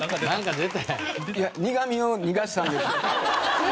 いや苦みを逃がしたんです。